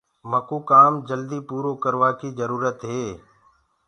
مڪوُ ڪآم جلد پورو ڪروآ ڪيٚ جرُورت هي۔